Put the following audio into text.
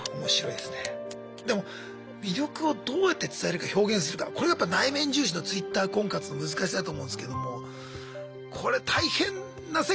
でも魅力をどうやって伝えるか表現するかこれがやっぱ内面重視のＴｗｉｔｔｅｒ婚活の難しさだと思うんですけどもこれ大変な世界でもありますね。